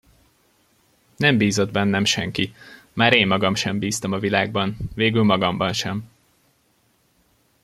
Nem bízott bennem senki, már én magam sem bíztam a világban, végül magamban sem.